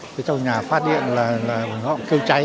thế trong nhà phát điện là họ kêu cháy